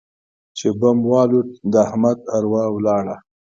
چې بم والوت؛ د احمد اروا ولاړه.